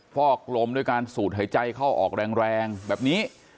ฟอกลมด้วยการสูดหายใจเข้าออกแรงแบบนี้